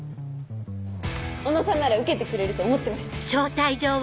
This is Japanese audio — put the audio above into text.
小野さんなら受けてくれると思ってました。